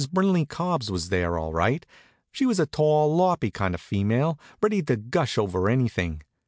Brinley Cubbs was there, all right. She was a tall, loppy kind of female, ready to gush over anything.